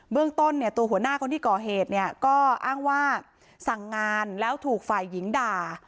เรื่องต้นเนี่ยตัวหัวหน้าคนที่ก่อเหตุเนี่ยก็อ้างว่าสั่งงานแล้วถูกฝ่ายหญิงด่า